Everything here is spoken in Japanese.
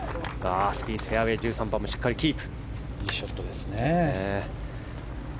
スピース、フェアウェーもしっかりキープ。